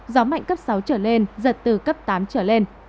gió mạnh cấp sáu trở lên giật từ cấp tám trở lên